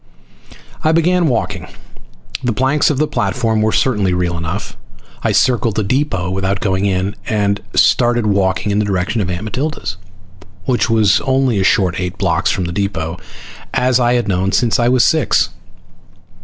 I began walking. The planks of the platform were certainly real enough. I circled the depot without going in, and started walking in the direction of Aunt Matilda's, which was only a short eight blocks from the depot, as I had known since I was six.